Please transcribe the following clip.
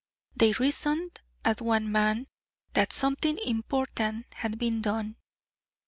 They reasoned as one man that something important had been done.